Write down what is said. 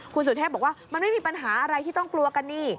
คุณสุเทพบอกว่ามันไม่มีปัญหาอะไรที่ต้องกลัวกันนี่